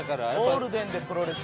ゴールデンでプロレス。